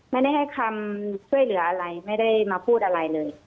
ไม่ได้ให้คำช่วยเหลืออะไรไม่ได้มาพูดอะไรเลย